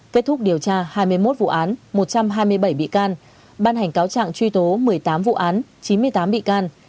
kết thúc điều tra hai mươi một vụ án một trăm hai mươi bảy bị can ban hành cáo trạng truy tố một mươi tám vụ án chín mươi tám bị can